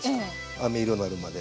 あめ色になるまで。